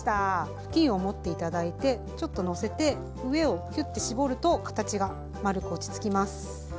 布巾を持っていただいてちょっとのせて上をキュッて絞ると形が丸く落ち着きます。